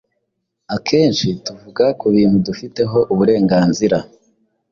Akenshi tuvuga ku bintu dufiteho uburenganzira,